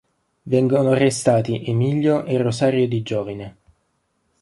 Vengono arrestati Emilio e Rosario Di Giovine.